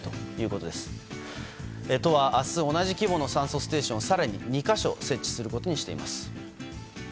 とは、明日同じ規模の酸素ステーションを更に２か所設置することにしています。